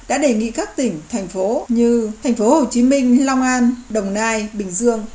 đã đề nghị các tỉnh thành phố như thành phố hồ chí minh long an đồng nai bình dương